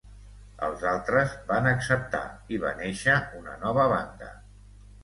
Els altres van acceptar, i va néixer una nova banda.